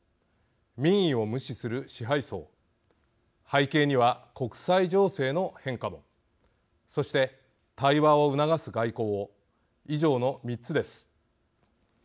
民意を無視する支配層背景には国際情勢の変化もそして対話を促す外交を以上の３つです。